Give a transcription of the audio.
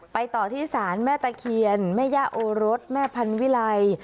ต่อที่ศาลแม่ตะเคียนแม่ย่าโอรสแม่พันวิไล